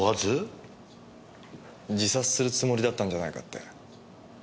自殺するつもりだったんじゃないかって。